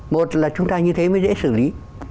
một là chúng ta như thế mới dễ xử lý